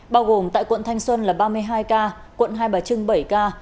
bao gồm tại quận thanh xuân là ba mươi hai ca quận hai bà trưng bảy ca